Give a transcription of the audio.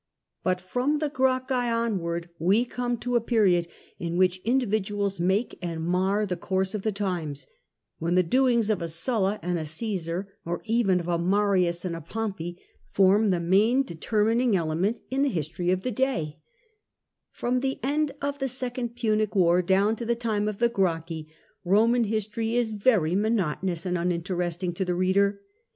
But from the G racchi onward we come to a period in which in dividuals make and mar the course of the times, when the doings of a Sulla and a Cgesar, or even of a Marius and a Pompey, form the main determining element in the history of the day Prom the end of the Second Punic War down to the time .of the Gracchi, Roman history is very monotonous and uninteresting to the reader.